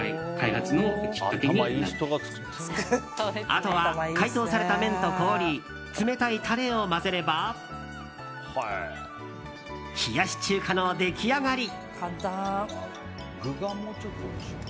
あとは解凍された麺と氷冷たいタレを混ぜれば冷やし中華の出来上がり。